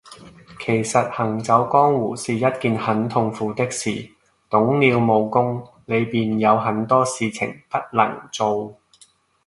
其實行走江湖是一件很痛苦的事，懂了武功，你便有很多事情不能做